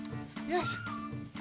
よし！